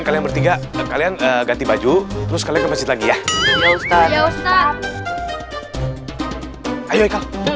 kalian bertiga kalian ganti baju terus kalian ke masjid lagi ya ustadz ayo